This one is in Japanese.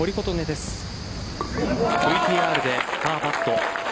ＶＴＲでパーパット。